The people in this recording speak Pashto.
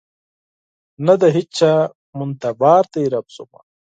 نه د هیچا منتبار دی رب زما